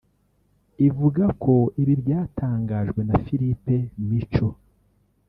ivuga ko ibi byatangajwe na Phillipe Michon